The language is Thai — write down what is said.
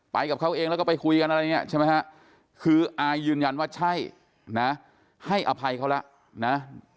กับเขาเองแล้วก็ไปคุยกันอะไรอย่างนี้ใช่ไหมฮะคืออายยืนยันว่าใช่นะให้อภัยเขาแล้วนะ